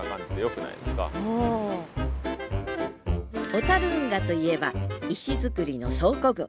小運河といえば石造りの倉庫群。